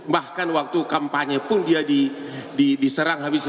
bahkan waktu kampanye pun dia diserang habisnya